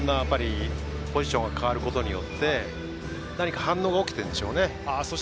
ポジションが変わることによって何か反応が起きているんでしょうね。